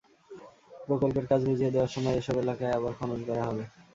প্রকল্পের কাজ বুঝিয়ে দেওয়ার সময় এসব এলাকায় আবার খনন করা হবে।